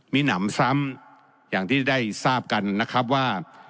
มีหนำซ้ำอย่างที่ได้ทราบกันนะครับว่า